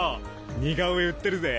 似顔絵売ってるぜ。